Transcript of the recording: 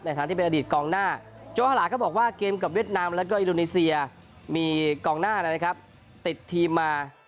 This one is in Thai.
ทางที่เป็นอดีตกองหน้าโจฮาลาก็บอกว่าเกมกับเวียดนามแล้วก็อินโดนีเซียมีกองหน้านะครับติดทีมมา